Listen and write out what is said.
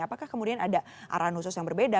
apakah kemudian ada arahan khusus yang berbeda